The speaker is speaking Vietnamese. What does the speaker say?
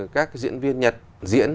các diễn viên nhật diễn